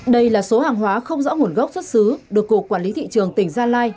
đây là số hàng hóa không rõ nguồn gốc xuất xứ được cục quản lý thị trường tỉnh gia lai